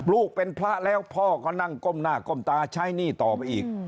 ลูกเป็นพระแล้วพ่อก็นั่งก้มหน้าก้มตาใช้หนี้ต่อไปอีก